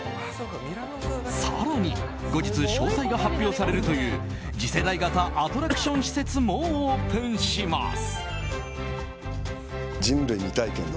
更に後日詳細が発表されるという次世代型アトラクション施設もオープンします。